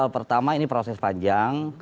pertama ini proses panjang